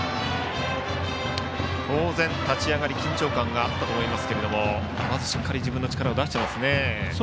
当然、立ち上がり緊張感があったと思いますがまずしっかり自分の力を出していますね。